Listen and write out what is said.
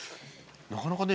なかなかね